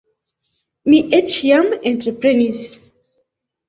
Mi eĉ jam entreprenis.